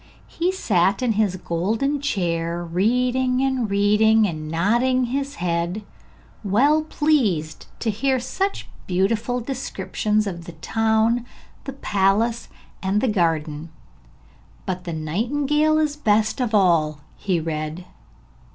He sat in his golden chair reading and reading, and nodding his head, well pleased to hear such beautiful descriptions of the town, the palace and the garden. 'But the nightingale is the best of all,' he read.